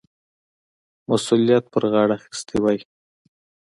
مسؤلیت پر غاړه اخیستی وای.